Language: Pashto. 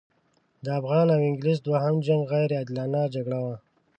د افغان او انګلیس دوهم جنګ غیر عادلانه جګړه وه.